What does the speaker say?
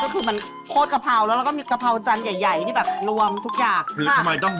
ก็คือมันกษกะเพราแล้วก็มีกะเพราจันทร์ใหญ่ที่แบบรวมทุกอย่าง